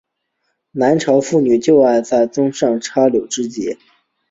南朝妇女就爱在髻上插饰梳栉。